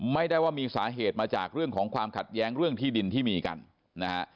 ไม่ได้ว่ามีสาเหตุมาจากเรื่องของความขัดแย้งเรื่องที่ดินที่มีกันนะฮะ